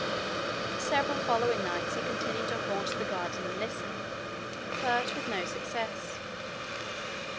For several following nights he continued to haunt the garden and listen, but with no success.